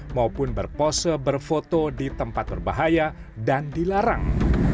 maupun berpose berfoto di tempat berbahaya dan dilarang